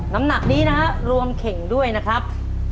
น้ำหนักนี้นะฮะรวมเข่งด้วยนะครับ